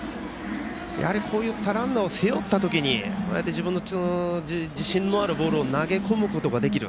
やはり、こういったランナーを背負った時自分の自信のあるボールを投げ込むことができる。